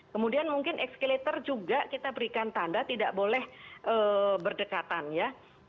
kemudian mungkin excilator juga kita berikan tanda tidak boleh berdekatan ya